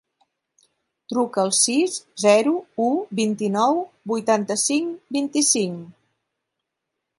Truca al sis, zero, u, vint-i-nou, vuitanta-cinc, vint-i-cinc.